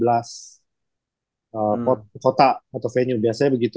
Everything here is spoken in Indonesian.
atau venue biasanya begitu